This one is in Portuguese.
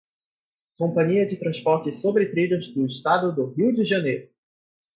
Companhia de Transportes Sobre Trilhos do Estado do Rio de Janeiro